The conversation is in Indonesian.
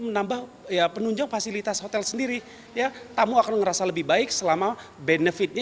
menambah ya penunjang fasilitas hotel sendiri ya tamu akan merasa lebih baik selama benefitnya